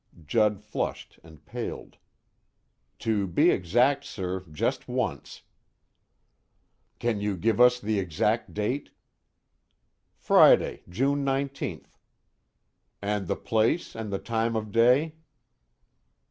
Judd flushed and paled. "To be exact, sir, just once." "Can you give us the exact date?" "Friday, June 19th." "And the place, and the time of day?"